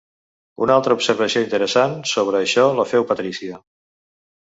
Una altra observació interessant sobre això la feu Patrícia.